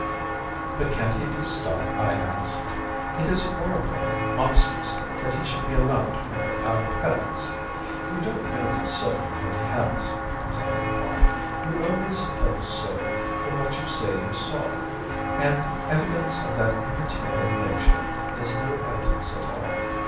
"'But can't he be stopped?' I asked. 'It is horrible, monstrous that he should be allowed to murder our pets.' "'You don't know for certain that he has,' was the reply, 'you only suppose so from what you say you saw, and evidence of that immaterial nature is no evidence at all.